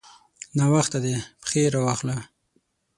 ناوخته دی؛ پښې راواخله.